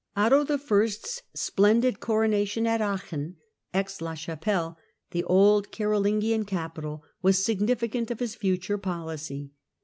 Otto I.'s splendid coronation at Aachen (Aix la Chapelle) the old Carolingian capital, was significant of his future policy.